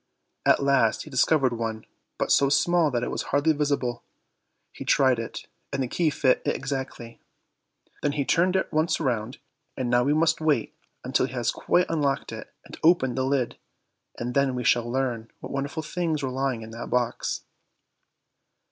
At last he discovered one, but so small that it was hardly visible. He tried it, and the key fitted it exactly. Then he turned it once round, and now we must wait until he has quite unlocked it and opened the lid, and then we shall learn what wonderful things were lying in that box.